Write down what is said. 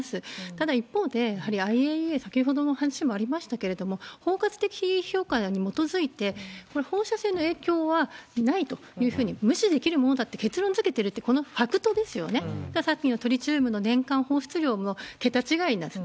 ただ、一方で、やはりＩＡＥＡ、先ほどの話もありましたけれども、包括的評価に基づいて、これ、放射線の影響はないというふうに、無視できるものだっていうふうに、結論づけてるって、このファクトですよね、トリチウムの年間放出量も、桁違いなんです。